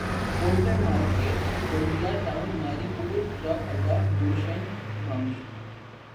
Bolton market Baldia town Mauripur truck اڈہ گلشن معمار